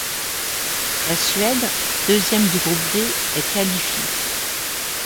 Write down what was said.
La Suède, deuxième du groupe D, est qualifiée.